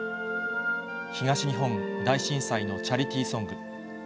東日本大震災のチャリティーソング。